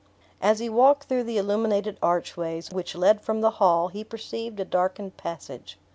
As he walked through the illuminated archways, which led from the hall, he perceived a darkened passage.